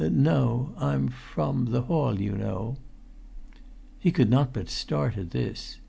"No, I'm—from the hall, you know." He could not but start at this.